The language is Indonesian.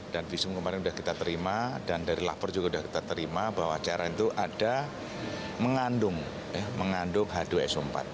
dan visum kemarin sudah kita terima dan dari lapor juga sudah kita terima bahwa cara itu ada mengandung h dua so empat